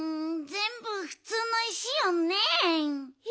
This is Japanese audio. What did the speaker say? ぜんぶふつうの石よねえ。